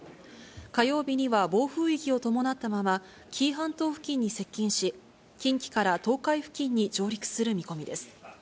火曜日には暴風域を伴ったまま、紀伊半島付近に接近し、近畿から東海付近に上陸する見込みです。